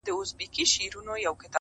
• امیرحمزه بابا روح دي ښاد وي,